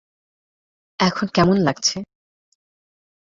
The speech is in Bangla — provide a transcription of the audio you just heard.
এখন কেমন লাগছে?